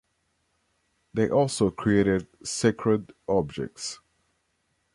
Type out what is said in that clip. They also created sacred objects.